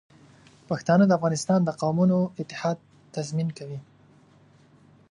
پښتانه د افغانستان د قومونو اتحاد تضمین کوي.